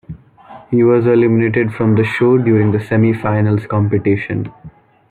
He was eliminated from the show during the semi-final competition.